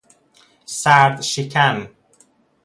سردشکن